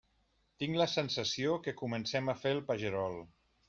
Tinc la sensació que comencem a fer el pagerol.